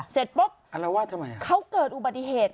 เสร็จปุ๊บเขาเกิดอุบัติเหตุ